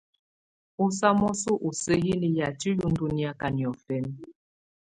Ú samɔsɔ ù sǝhiniǝ́ yatɛ̀á ù ndɔ̀ niaka niɔ̀fɛ̀na.